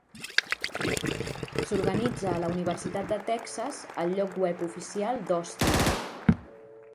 S'organitza a la Universitat de Texas al lloc web oficial d'Austin.